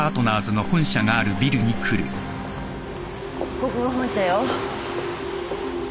ここが本社よ。